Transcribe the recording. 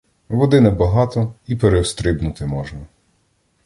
Води небагато — і перестрибнути можна!